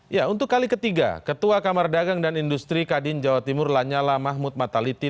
ya untuk kali ketiga ketua kamar dagang dan industri kadin jawa timur lanyala mahmud mataliti